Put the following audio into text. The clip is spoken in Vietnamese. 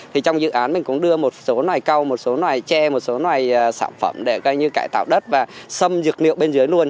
trong dự án mình cũng đưa một số loài câu một số loài tre một số loài sản phẩm để cải tạo đất và xâm dược liệu bên dưới luôn